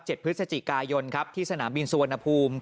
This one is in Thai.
พฤศจิกายนครับที่สนามบินสุวรรณภูมิ